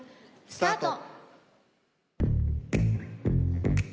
スタート！